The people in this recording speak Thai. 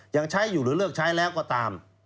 ยังใช้อยู่หรือเลือกใช้แล้วก็ตาม